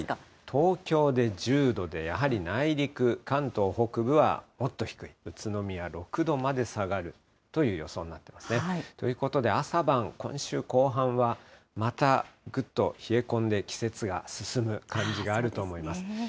東京で１０度で、やはり内陸、関東北部はもっと低い、宇都宮６度まで下がるという予想になっていますね。ということで朝晩、今週後半は、またぐっと冷え込んで、季節が進む感じがあると思います。